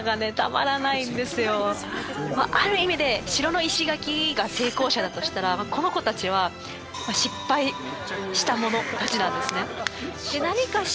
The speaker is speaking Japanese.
ある意味で城の石垣が成功者だとしたらこの子たちは失敗したものたちなんですね。